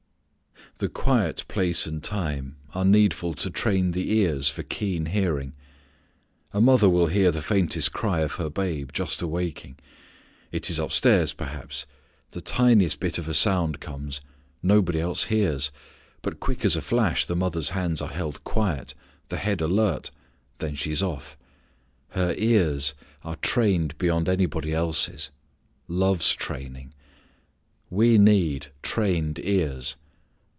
The quiet place and time are needful to train the ears for keen hearing. A mother will hear the faintest cry of her babe just awaking. It is up stairs perhaps; the tiniest bit of a sound comes; nobody else hears; but quick as a flash the mother's hands are held quiet, the head alert, then she is off. Her ears are trained beyond anybody's else; love's training. We need trained ears.